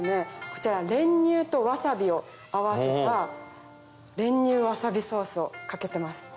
こちら練乳とわさびを合わせた練乳わさびソースをかけてます。